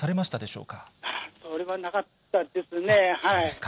それはなかったですね。